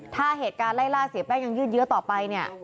ถ้าเหตุการณ์ไล่ล่าเสียแป้งยังยืดเยอะต่อไปเนี่ย